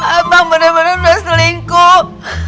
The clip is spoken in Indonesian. abang benar benar sudah selingkuh